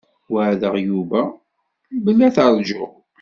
Weɛdeɣ Yuba belli ad t-rǧuɣ.